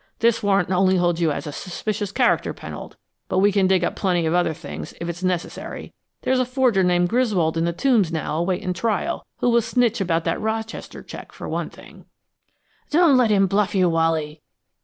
This warrant only holds you as a suspicious character, Pennold, but we can dig up plenty of other things, if it's necessary; there's a forger named Griswold in the Tombs now awaiting trial, who will snitch about that Rochester check, for one thing." "Don't let him bluff you, Wally."